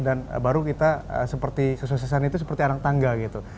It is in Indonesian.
dan baru kita seperti kesuksesan itu seperti anak tangga gitu